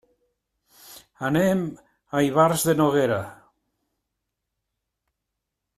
Anem a Ivars de Noguera.